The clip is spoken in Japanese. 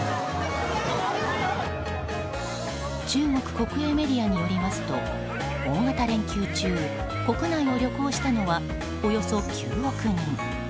中国国営メディアによりますと大型連休中国内を旅行したのはおよそ９億人。